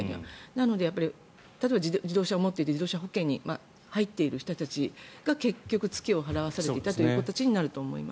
なので例えば自動車を持っていて自動車保険に入っている人たちが結局付けを払わされていたという形になっていたと思います。